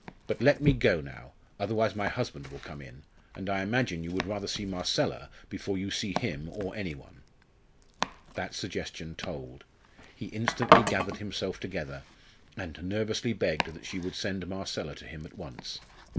But let me go now. Otherwise my husband will come in. And I imagine you would rather see Marcella before you see him or any one." That suggestion told. He instantly gathered himself together, and nervously begged that she would send Marcella to him at once.